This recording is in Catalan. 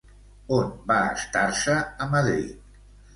On va estar-se, a Madrid?